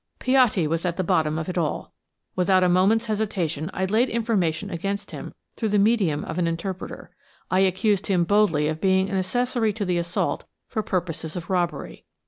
Piatti was at the bottom of it all. Without a moment's hesitation I laid information against him through the medium of an interpreter. I accused him boldly of being an accessory to the assault for purposes of robbery.